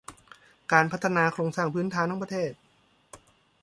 การพัฒนาโครงสร้างพื้นฐานของประเทศ